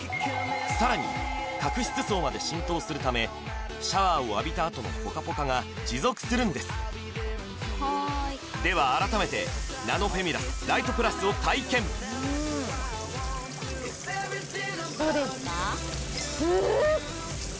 さらに角質層まで浸透するためシャワーを浴びたあとのポカポカが持続するんですでは改めてナノフェミラス・ナイトプラスを体験どうですか？